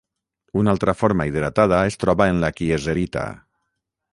Una altra forma hidratada es troba en la kieserita.